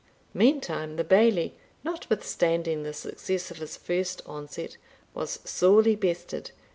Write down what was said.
Meantime the Bailie, notwithstanding the success of his first onset, was sorely bested.